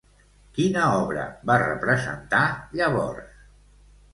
Quina obra va representar llavors?